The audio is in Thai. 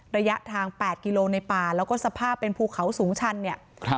ระยะทาง๘กิโลในป่าแล้วก็สภาพเป็นภูเขาสูงชันเนี่ย